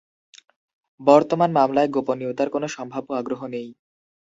বর্তমান মামলায় গোপনীয়তার কোনো সম্ভাব্য আগ্রহ নেই।